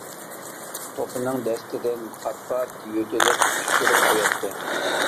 توپىنىڭ دەستىدىن پات-پات يۆتىلىپ، چۈشكۈرۈپ قوياتتى.